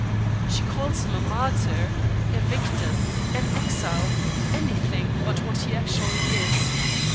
She calls him a martyr, a victim, an exile, any thing but what he actually is.